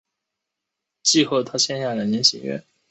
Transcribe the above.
季后他签下两年新约。